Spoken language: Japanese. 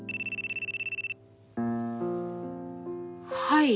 はい。